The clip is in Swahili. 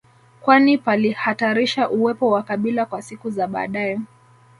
kwani palihatarisha uwepo wa kabila kwa siku za baadae